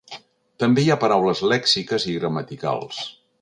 També hi ha paraules lèxiques i gramaticals.